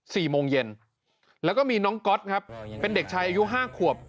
สี่โมงเย็นแล้วก็มีน้องก๊อตครับเป็นเด็กชายอายุห้าขวบ